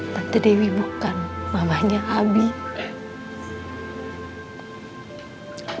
tante dewi bukan mamanya abie